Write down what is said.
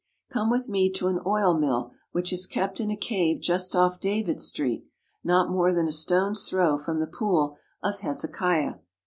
Come with me to an oil mill which is kept in a cave just off David Street, not more than a stone's throw from the Pool of Hezekiah.